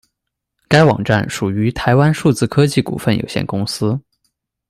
该网站属于台湾数字科技股份有限公司。